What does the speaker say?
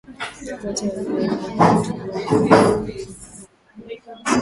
wote wawili walibaki wametulivu wakidai kufungua baa